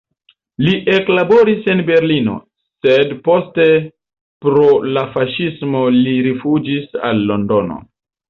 Li eklaboris en Berlino, sed poste pro la faŝismo li rifuĝis al Londono.